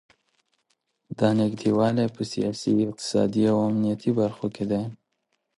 دا نږدې والی په سیاسي، اقتصادي او امنیتي برخو کې دی.